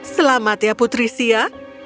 selamat ya putri sia